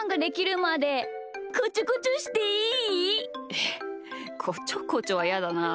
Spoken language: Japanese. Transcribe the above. えっこちょこちょはやだな。